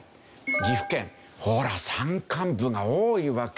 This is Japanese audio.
岐阜県ほら山間部が多いわけですよ。